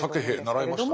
はい。